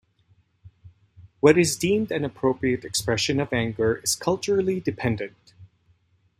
What is deemed an appropriate expression of anger is culturally dependent.